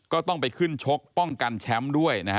ก็ต้องไปขึ้นชกป้องกันแชมป์เราด้วย